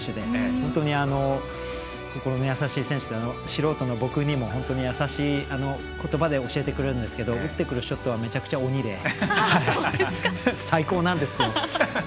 本当に心の優しい選手で素人の僕にも、優しいことばで教えてくれるんですけど打ってくるショットはむちゃくちゃ鬼で最高なんですよ。